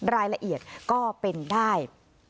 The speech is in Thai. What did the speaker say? รายละเอียดก็เป็นได้